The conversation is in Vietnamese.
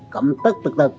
cầm tất tất tất